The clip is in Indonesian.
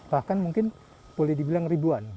bahkan mungkin boleh dibilang ribuan